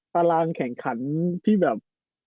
ตารางแข่งขันที่แบบ